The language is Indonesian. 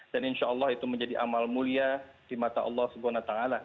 dan insya allah itu menjadi amal mulia di mata allah swt